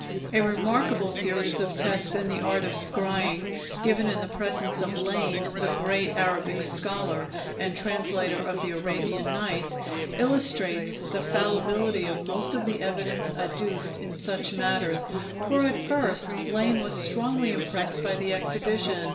A remarkable series of tests in the art of scrying, given in the presence of Lane, the great Arabic scholar, and translator of the Arabian Nights, illustrates the fallibility of most of the evidence adduced in such matters, for, at first, Lane was strongly impressed by the exhibition.